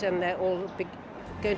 dan zelensky adalah hero saya sekarang